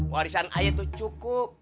warisan saya tuh cukup